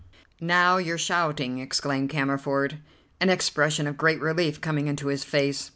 "Now you're shouting," exclaimed Cammerford, an expression of great relief coming into his face.